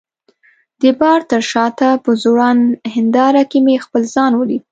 د بار تر شاته په ځوړند هنداره کي مې خپل ځان ولید.